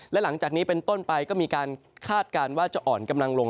และหลังจากนี้เป็นต้นไปก็มีการคาดการณ์ว่าจะอ่อนกำลังลง